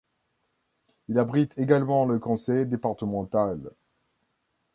Il abrite également le Conseil départemental.